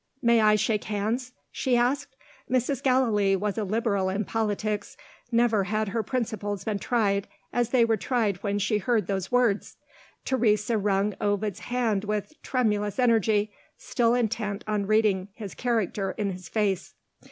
"May I shake hands?" she asked. Mrs. Gallilee was a Liberal in politics; never had her principles been tried, as they were tried when she heard those words. Teresa wrung Ovid's hand with tremulous energy still intent on reading his character in his face.